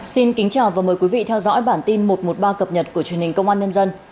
xin kính chào và mời quý vị theo dõi bản tin một trăm một mươi ba cập nhật của truyền hình công an nhân dân